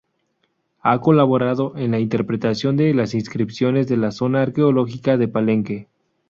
Ha colaborado en la interpretación de las inscripciones de la zona arqueológica de Palenque.